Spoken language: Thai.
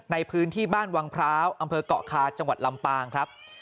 ในพื้นที่บ้านวังพร้าวอำเภอกเกาะคาจังหวัดลำปางครับ